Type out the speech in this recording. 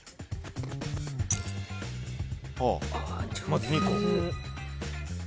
まず２個。